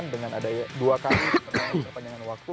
dengan ada dua kali perpanjangan waktu